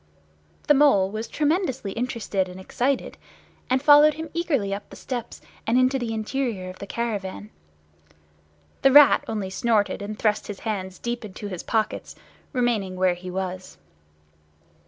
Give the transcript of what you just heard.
The Mole was tremendously interested and excited, and followed him eagerly up the steps and into the interior of the caravan. The Rat only snorted and thrust his hands deep into his pockets, remaining where he was.